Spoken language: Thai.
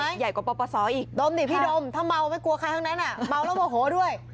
เอาไหมดมสิพี่ดมถ้าเมาไม่กลัวใครทั้งนั้นน่ะเมาแล้วโมโหด้วย